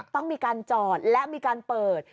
ต้องมีการจอดและมีการเปิด